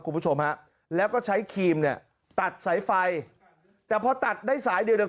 คุณผู้ชมฮะแล้วก็ใช้ครีมเนี่ยตัดสายไฟแต่พอตัดได้สายเดียวเนี่ย